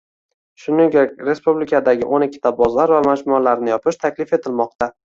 Shuningdek, respublikadagio´n ikkita bozor va majmualarni yopish taklif etilmoqda